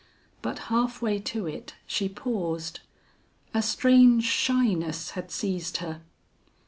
But half way to it she paused. A strange shyness had seized her.